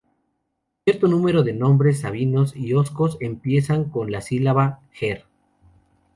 Cierto número de nombres sabinos y Oscos empiezan con la sílaba, "Her-".